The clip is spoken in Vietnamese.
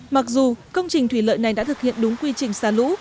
mặc dù công trình thủy lợi này đã thực hiện đúng quy trình xả lũ